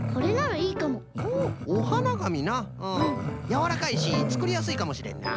やわらかいしつくりやすいかもしれんな。